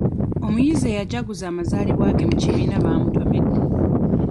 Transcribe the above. Omuyizi eyajaguza amazaalibwa ge mu kibiina baamutomedde.